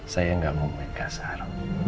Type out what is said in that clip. saya tidak mau main kasar